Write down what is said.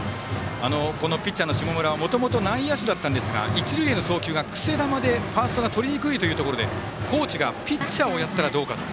このピッチャーの下村はもともと内野手だったんですが一塁への送球がくせ球でファーストがとりにくいというところで、コーチがピッチャーをやったらどうかと。